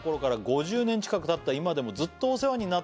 「５０年近くたった今でもずっとお世話になっている」